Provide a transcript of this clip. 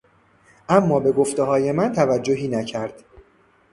اما به گفتههای من توجهی نکرد.